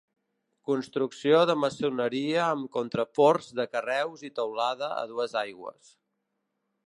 Construcció de maçoneria amb contraforts de carreus i teulada a dues aigües.